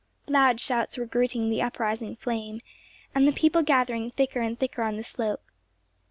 Loud shouts were greeting the uprising flame, and the people gathering thicker and thicker on the slope.